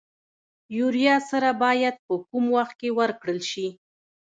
یوریا سره باید په کوم وخت کې ورکړل شي؟